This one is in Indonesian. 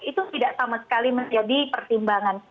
itu tidak sama sekali menjadi pertimbangan